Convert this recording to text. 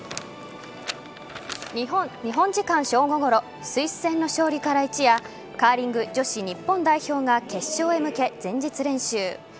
日本時間正午ごろスイス戦の勝利から一夜カーリング女子日本代表が決勝へ向け、前日練習。